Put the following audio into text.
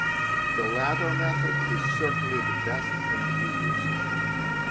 ~The latter method is certainly the best and easiest.